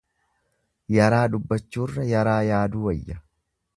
Yaraa dubbachurra yaraa yaaduu wayya.